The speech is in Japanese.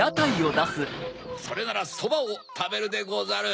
それならそばをたべるでござる！